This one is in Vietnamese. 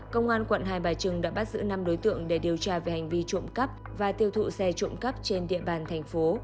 công an quận hai bà trưng đã bắt giữ năm đối tượng để điều tra về hành vi trộm cắp và tiêu thụ xe trộm cắp trên địa bàn thành phố